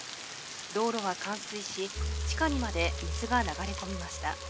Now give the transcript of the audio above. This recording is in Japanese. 道路はかん水し地下にまで水が流れこみました。